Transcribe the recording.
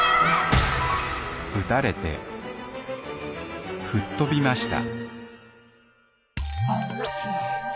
ぶたれて吹っ飛びました